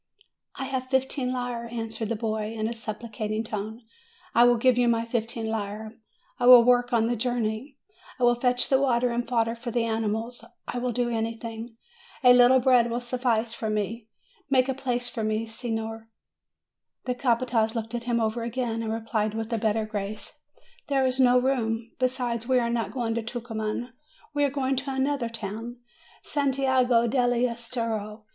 "I have fifteen lire," answered the boy in a supplicat ing tone ; "I will give you my fifteen lire. I will work on the journey; I will fetch the water and fodder for the animals; I will do anything. A little bread will suffice for me. Make a place for me, signer." The capataz looked him over again, and replied with a better grace, "There is no room ; besides, we are not going to Tucuman; we are going to another town, Santiago dell' Estero.